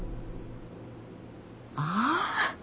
ああ。